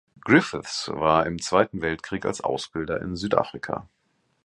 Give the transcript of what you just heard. Griffiths war im Zweiten Weltkrieg als Ausbilder in Südafrika.